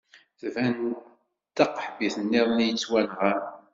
Tban d taqaḥbit niḍen i yettwanɣan.